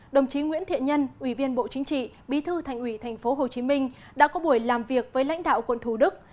đồng chí nguyễn thiện nhân ủy viên bộ chính trị bí thư thành ủy tp hcm đã có buổi làm việc với lãnh đạo quận thủ đức